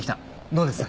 どうです？